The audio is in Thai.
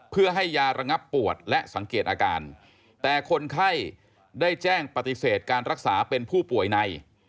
เพื่อให้ยาระงับปวดและสังเกตอาการแต่คนไข้ได้แจ้งปฏิเสธการรักษาเป็นผู้ป่วยใน